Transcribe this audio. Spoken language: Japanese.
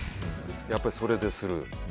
やっぱり、それでする。